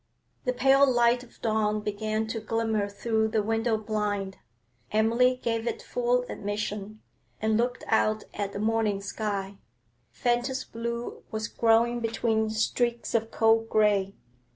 The pale light of dawn began to glimmer through the window blind. Emily gave it full admission, and looked out at the morning sky; faintest blue was growing between streaks of cold grey.